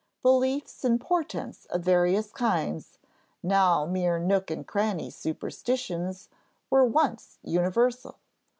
Beliefs in portents of various kinds, now mere nook and cranny superstitions, were once universal.